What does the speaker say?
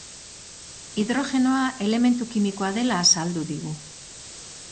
Hidrogenoa elementu kimikoa dela azaldu digu.